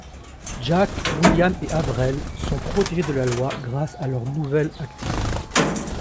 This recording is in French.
Jack, William et Averell sont protégés de la loi grâce à leur nouvelle activité.